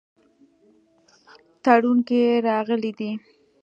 تړون کې راغلي دي.